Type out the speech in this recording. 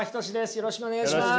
よろしくお願いします。